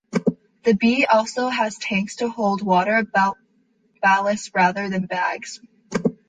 The "B" also has tanks to hold water ballast rather than bags.